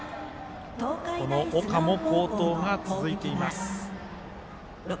岡も好投が続いています。